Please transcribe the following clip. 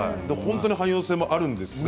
汎用性もあるんですね。